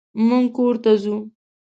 مونږ کور ته ځو.